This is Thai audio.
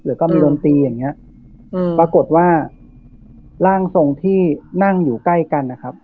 แล้วก็มีดนตรีอย่างเงี้ยอืมปรากฏว่าร่างทรงที่นั่งอยู่ใกล้กันนะครับ